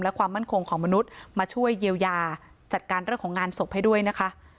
และความมั่นคงของมนุษย์มาช่วยเยียวยาจัดการเรื่องของงานศพให้ด้วยนะคะ